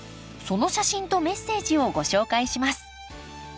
その写真とメッセージをご紹介します